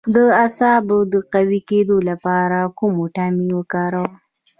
د اعصابو د قوي کیدو لپاره کوم ویټامین وکاروم؟